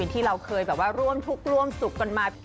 ที่เราเคยร่วมพุกร่วมสุขกันมา